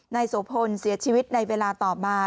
โสพลเสียชีวิตในเวลาต่อมา